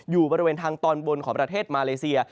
อยู่บริเวณทางตอนบนของประเทศมาเลเซีย